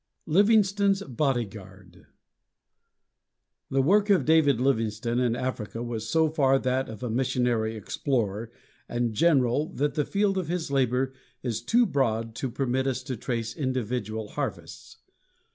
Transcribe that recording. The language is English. LIVINGSTONE'S BODY GUARD The work of David Livingstone in Africa was so far that of a missionary explorer and general that the field of his labor is too broad to permit us to trace individual harvests.